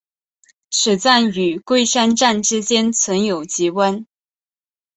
此站与桂山站之间存有急弯。